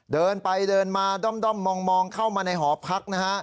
เดินไปเดินมาด้อมมองเข้ามาในหอพักนะฮะ